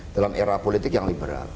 dalam era politik yang liberal